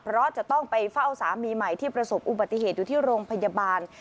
เพราะจะต้องไปเฝ้าสามีใหม่ที่ประสบอุบัติเหตุอยู่ที่โรงพยาบาล